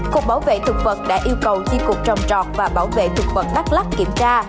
cục bảo vệ thực vật đã yêu cầu chi cục trồng trọt và bảo vệ thực vật đắk lắc kiểm tra